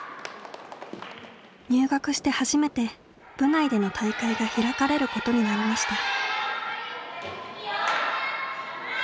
入学して初めて部内での大会が開かれることになりました。